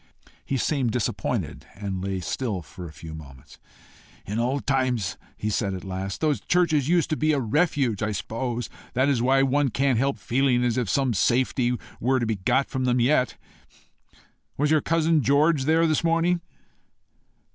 He seemed disappointed, and lay still for a few moments. "In old times," he said at last, "the churches used to be a refuge: I suppose that is why one can't help feeling as if some safety were to be got from them yet. Was your cousin George there this morning?"